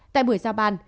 tại buổi giao bàn